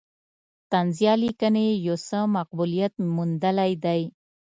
طنزیه لیکنې یې یو څه مقبولیت موندلی دی.